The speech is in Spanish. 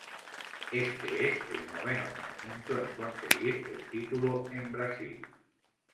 Éste es el noveno conjunto en conseguir el título en Brasil.